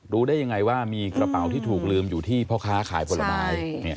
รู้ได้ยังไงว่ามีกระเป๋าที่ถูกลืมอยู่ที่พ่อค้าขายผลไม้